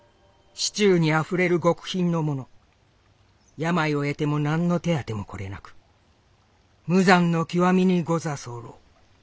「市中にあふれる極貧の者病を得ても何の手当てもこれなく無残の極みにござそうろう。